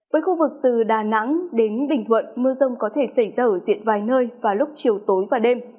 với khu vực từ đà nẵng đến bình thuận mưa rông có thể xảy ra ở diện vài nơi vào lúc chiều tối và đêm